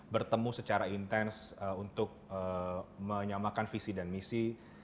bertemu secara intens untuk menyamakan visi dan misi